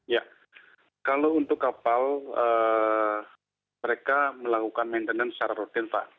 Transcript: ya kalau untuk kapal mereka melakukan maintenance secara rutin pak